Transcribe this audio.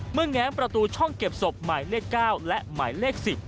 แง้มประตูช่องเก็บศพหมายเลข๙และหมายเลข๑๐